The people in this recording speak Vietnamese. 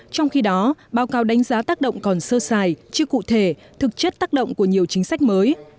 trong khi đó báo cáo đánh giá tác động còn sơ sài chưa cụ thể thực chất tác động của nhiều chính sách mới